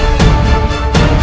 aku akan menemukanmu